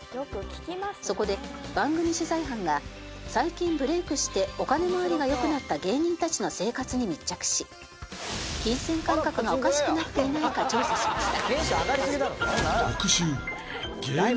そこで番組取材班が最近ブレイクしてお金回りが良くなった芸人たちの生活に密着し金銭感覚がおかしくなっていないか調査しました。